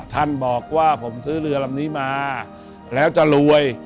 ท่านบอกว่าผมซื้อเรือลำนี้มาแล้วจะรวย